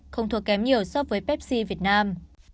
không thuộc kém nhiều so với pepsi việt nam